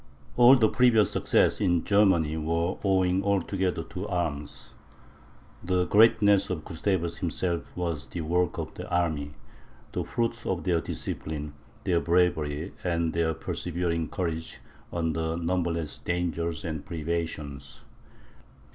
All the previous successes in Germany were owing altogether to arms; the greatness of Gustavus himself was the work of the army, the fruit of their discipline, their bravery, and their persevering courage under numberless dangers and privations.